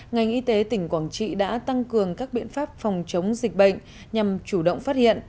ngành y tế tỉnh quảng trị đã tăng cường các biện pháp phòng chống dịch bệnh nhằm chủ động phát hiện